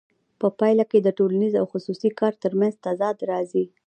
په پایله کې د ټولنیز او خصوصي کار ترمنځ تضاد راځي